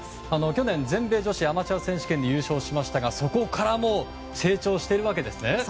去年全米女子アマチュア選手権で優勝しましたが、そこからも成長しているわけですね。